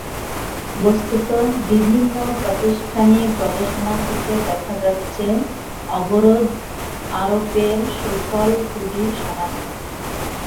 বস্তুত, বিভিন্ন প্রাতিষ্ঠানিক গবেষণা থেকে দেখা যাচ্ছে, অবরোধ আরোপের সুফল খুবই সামান্য।